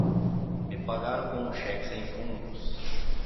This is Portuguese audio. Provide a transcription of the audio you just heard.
Me pagaram com um cheque sem fundos.